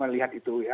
melihat itu ya